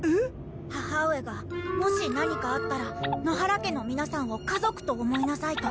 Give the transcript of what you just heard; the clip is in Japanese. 母上がもし何かあったら野原家の皆さんを家族と思いなさいと。